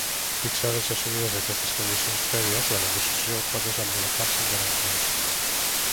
Fixades i assumides aquestes condicions prèvies, la negociació pot desenvolupar-se amb garanties